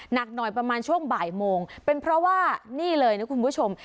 หนักหน่อยประมาณช่วงบ่ายโมงเป็นเพราะว่านี่เลยนะคุณผู้ชม